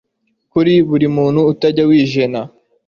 Kuri buri muntu utajya wi jena